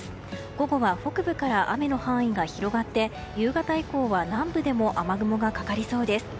午後は北部から雨の範囲が広がって夕方以降は南部でも雨雲がかかりそうです。